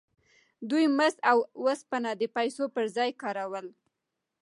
دوی مس او اوسپنه د پیسو پر ځای کارول.